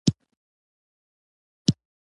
استاد د ښوونې مینه لري.